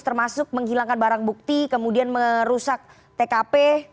termasuk menghilangkan barang bukti kemudian merusak tkp